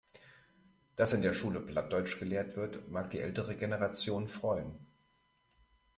Dass in der Schule Plattdeutsch gelehrt wird, mag die ältere Generation freuen.